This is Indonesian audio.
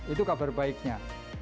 itu kabar baiknya